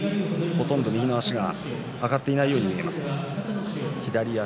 右足が上がっていないように見えます。